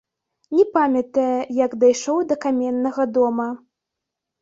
Не памятае, як дайшоў да каменнага дома.